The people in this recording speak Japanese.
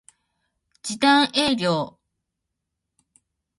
時短営業